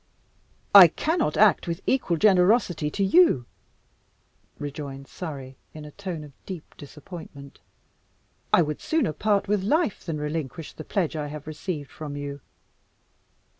"I cannot act with equal generosity to you," rejoined Surrey in a tone of deep disappointment. "I would sooner part with life than relinquish the pledge I have received from you.